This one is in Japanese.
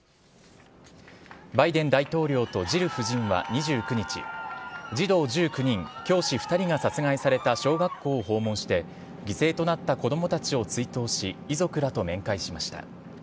バイデン大統領とジル夫人は２９日、児童１９人、教師２人が殺害された小学校を訪問して、犠牲となった子どもたちを追悼し、遺族らと面会しました。